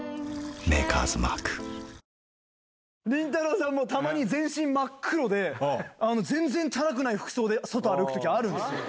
さんも、たまに全身真っ黒で、全然チャラくない服装で外歩くときあるんすよ。